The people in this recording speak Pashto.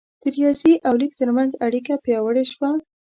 د ریاضي او لیک ترمنځ اړیکه پیاوړې شوه.